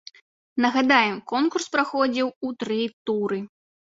Нагадаем, конкурс праходзіў у тры туры.